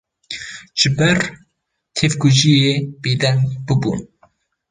ji ber tevkujiyê bêdeng bûbûn